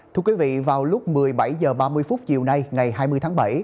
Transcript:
thưa quý vị vào lúc một mươi bảy h ba mươi phút chiều nay ngày hai mươi tháng bảy